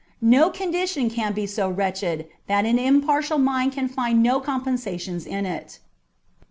No condition can be so wretched that an impartial mind can find no compensations in it.